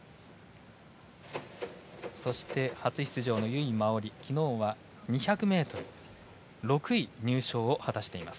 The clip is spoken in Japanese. そして、初出場の由井真緒里昨日は２００ｍ６位入賞を果たしています。